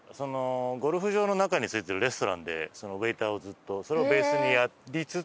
ゴルフ場の中についてるレストランでウェイターをずっとそれをベースにやりつつ。